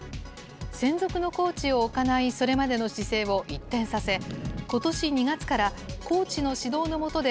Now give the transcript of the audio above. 専属のコーチを置かない、それまでの姿勢を一転させ、ことし２月からコーチの指導の下で、